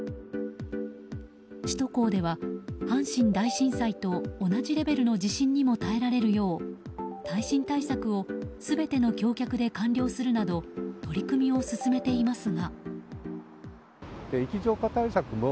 首都高では、阪神大震災と同じレベルの地震にも耐えられるよう、耐震対策を全ての橋脚で完了するなど取り組みを進めていますが。